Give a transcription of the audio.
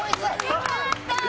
よかった！